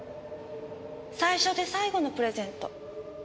最初で最後のプレゼント。